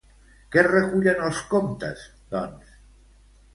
Què recullen els comptes, doncs?